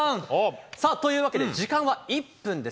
さあ、というわけで時間は１分です。